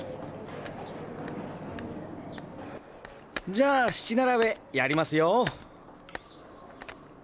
じゃあ七並べやりますよ。